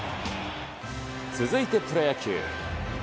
続いてプロ野球。